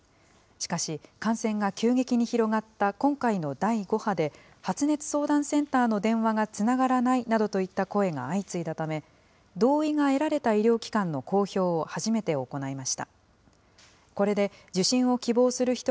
しかし、感染が急激に広がった今回の第５波で、発熱相談センターの電話がつながらないなどといった声が相次いだため、同意が得られた医療機関の公表を初めて行いました。